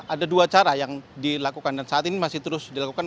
ada dua cara yang dilakukan dan saat ini masih terus dilakukan